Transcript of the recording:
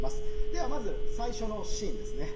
ではまず最初のシーンですね。